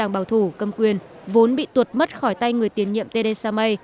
bảo thủ cầm quyền vốn bị tuột mất khỏi tay người tiền nhiệm theresa may